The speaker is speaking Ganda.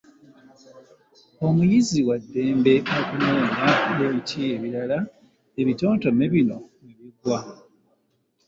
Omuyizi wa ddembe okunoonya ebiti ebirala ebitontome bino mwe bigwa.